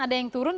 ada yang turun